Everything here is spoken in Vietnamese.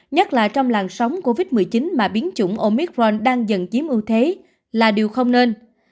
nhất là trong làng sóng covid một mươi chín mà biến chủng omicron đang dần chiếm ưu thế là điều không nên